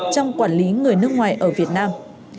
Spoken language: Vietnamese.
trong quản lý người nước ngoài ở việt nam